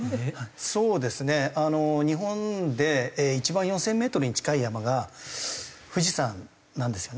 そうですね日本で一番４０００メートルに近い山が富士山なんですよね。